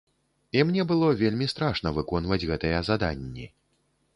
І мне было вельмі страшна выконваць гэтыя заданні.